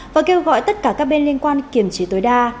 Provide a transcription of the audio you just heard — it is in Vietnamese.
và kêu gọi tất cả các bên liên quan kiểm trí tối đa